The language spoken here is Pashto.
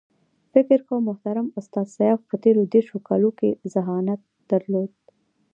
فکر کوم محترم استاد سیاف په تېرو دېرشو کالو کې ذهانت درلود.